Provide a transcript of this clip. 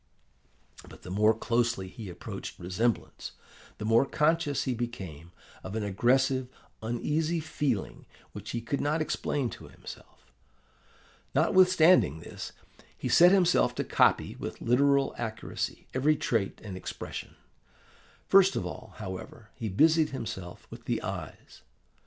"But the more closely he approached resemblance, the more conscious he became of an aggressive, uneasy feeling which he could not explain to himself. Notwithstanding this, he set himself to copy with literal accuracy every trait and expression. First of all, however, he busied himself with the eyes.